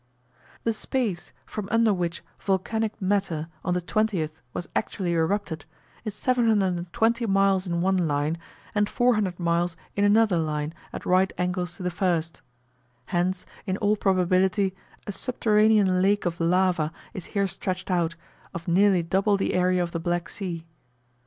The space, from under which volcanic matter on the 20th was actually erupted, is 720 miles in one line, and 400 miles in another line at right angles to the first: hence, in all probability, a subterranean lake of lava is here stretched out, of nearly double the area of the Black Sea.